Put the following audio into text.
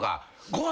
ご飯